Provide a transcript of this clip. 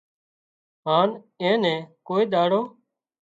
هانَ اين نين ڪوئي ۮاڙو